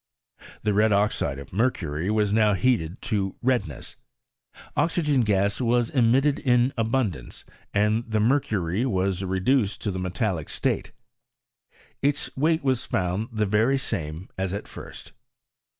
The red oxide of mercury was now heated to redness, oxygen g&s was emitted in abundajice, and the mercury was reduced to the metallic state : its weight was found the very sacne as at first.